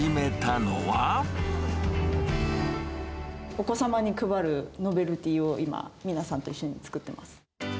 お子様に配るノベルティーを今、皆さんと一緒に作ってます。